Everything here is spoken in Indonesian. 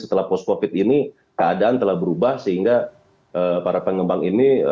setelah post covid ini keadaan telah berubah sehingga para pengembang ini